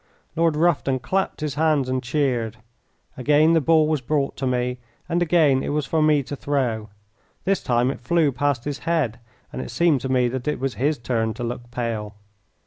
Lord Rufton clapped his hands and cheered. Again the ball was brought to me, and again it was for me to throw. This time it flew past his head, and it seemed to me that it was his turn to look pale.